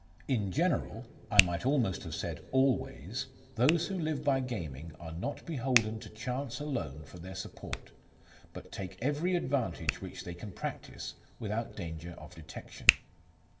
In general, I might almost have said always, those who live by gaming are not beholden to chance alone for their support, but take every advantage which they can practise without danger of detection.